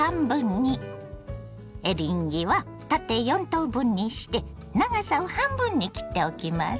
エリンギは縦４等分にして長さを半分に切っておきます。